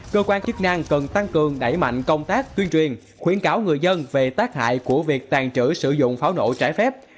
cơ quan chức năng cần tăng cường đẩy mạnh công tác tuyên truyền khuyến cáo người dân về tác hại của việc tàn trữ sử dụng pháo nổ trái phép